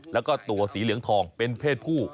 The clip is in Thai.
แล้วก็ตัวสีเหลืองทองเป็นเพศผู้